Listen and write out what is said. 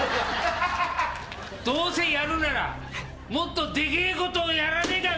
どうせやるならもっとでけえことをやらねえか！